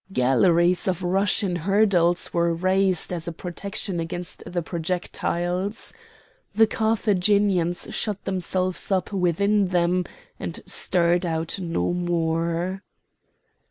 Galleries of rushen hurdles were raised as a protection against the projectiles. The Carthaginians shut themselves up within them and stirred out no more.